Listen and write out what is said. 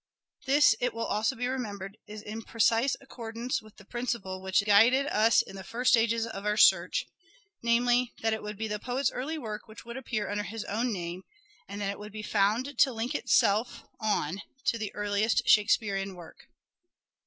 This, it will also be remembered, is in precise accordance with the principle which guided us in the first stages of our search, namely, that it would be the poet's early work which would appear under his own name, and that it would be found to link itself on to the earliest Shakespearean work.